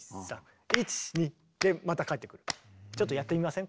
ちょっとやってみません？